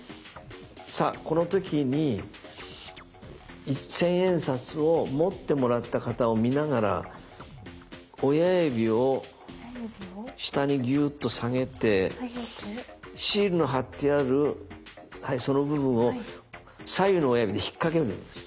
さあこの時に千円札を持ってもらった方を見ながら親指を下にギュッと下げてシールの貼ってあるその部分を左右の親指に引っ掛けるんです。